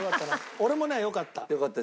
俺もねよかった。